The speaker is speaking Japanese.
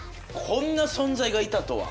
こんな存在がいたとは。